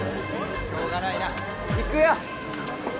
しょうがないないくよ！